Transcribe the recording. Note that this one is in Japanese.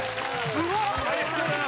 すごい！